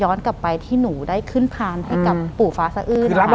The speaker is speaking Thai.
หลังจากนั้นเราไม่ได้คุยกันนะคะเดินเข้าบ้านอืม